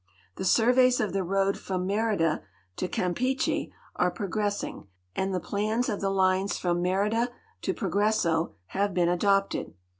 The surveys of the road from Merida to Campeche are progre.ssing and the plans of the lines from ^leiida to Progre.so have been adojited.